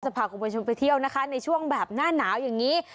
พาคุณผู้ชมไปเที่ยวนะคะในช่วงแบบหน้าหนาวอย่างนี้